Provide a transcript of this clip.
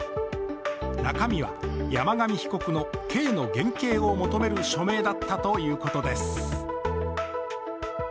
中身は山上被告の刑の減軽を求める署名だったということです。